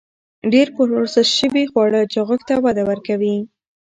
ډېر پروسس شوي خواړه چاغښت ته وده ورکوي.